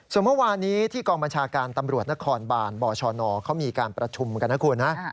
ส่วนเมื่อวานี้ที่กองบัญชาการตำรวจนครบานบชนเขามีการประชุมกันนะคุณนะ